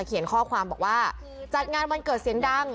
เขียนข้อความบอกว่าจัดงานวันเกิดเสียงดัง